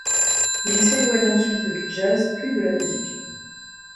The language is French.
Il s'éloigne ensuite du jazz, puis de la musique.